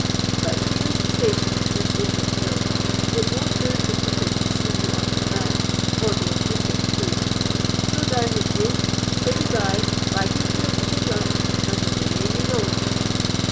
But here is the station, just over the hill. It won't' do for people to see you on my back, or they 'll think it queer. So down with you, say good bye, wag your tail for good luck, and away you go!"